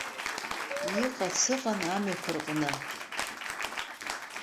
Иҟац ыҟан амҩақәа рҟны.